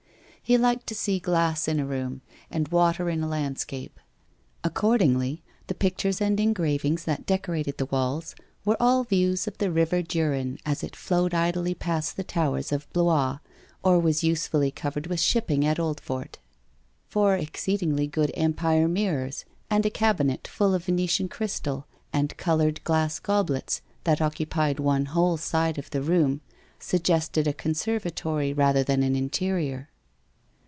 He liked to see glass in a room and water in a landscape. Accordingly the pictures and engravings that decorated the walls were all views of the riven Duren as< it flowed idly past the towers of Blois, or was usefully covered with shipping at Oldfort. Four exceedingly good Empire mirrors and a cabinet full of Venetian crystal and coloured glass goblets that occupied one whole side of the room suggested a conservatory rather than an interior.